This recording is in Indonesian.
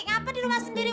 ngapain di rumah sendiri